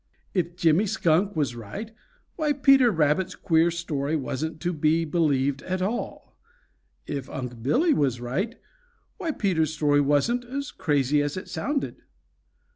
If Jimmy Skunk was right, why Peter Rabbit's queer story wasn't to be believed at all. If Unc' Billy was right, why Peter's story wasn't as crazy as it sounded.